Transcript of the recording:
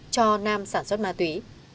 cho nam sản xuất ma túy